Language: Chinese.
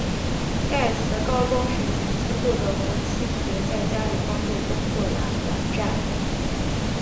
盖茨高中时曾经不得不弃学在家里帮助工作来还债。